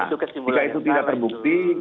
nah jika itu tidak terbukti